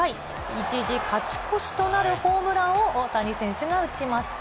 一時勝ち越しとなるホームランを大谷選手が打ちました。